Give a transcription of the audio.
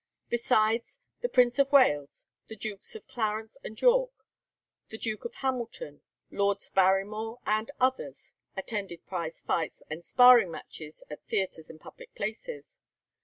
Besides, the Prince of Wales, the Dukes of Clarence and York, the Duke of Hamilton, Lords Barrymore and others, attended prize fights and sparring matches at theatres and public places.